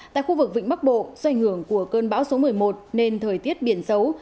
tại khu vực vịnh bắc bộ do ảnh hưởng của cơn bão số một mươi một nên thời tiết biển xấu